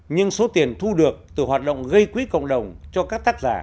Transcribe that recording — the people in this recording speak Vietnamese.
nhưng số tiền thu được từ hoạt động gây quỹ cộng đồng cho các tác giả